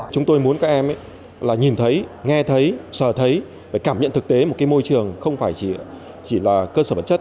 chúng tôi muốn các em nhìn thấy nghe thấy sở thấy cảm nhận thực tế một môi trường không chỉ là cơ sở vật chất